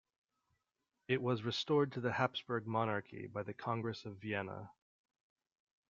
It was restored to the Habsburg Monarchy by the Congress of Vienna.